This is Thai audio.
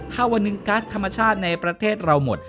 ถ้าวันหนึ่งกัสธรรมชาติในประเทศเราหมด